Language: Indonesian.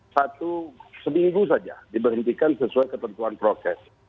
satu seminggu saja diberhentikan sesuai ketentuan prokes